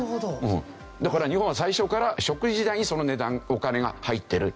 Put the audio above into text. だから日本は最初から食事代にその値段お金が入ってる。